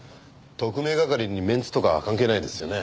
特命係にメンツとか関係ないですよね？